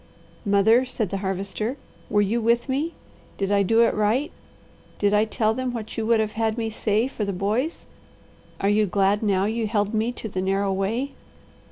"Mother," said the Harvester, "were you with me? Did I do it right? Did I tell them what you would have had me say for the boys? Are you glad now you held me to the narrow way?